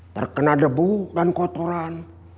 terkena debu dan kotoran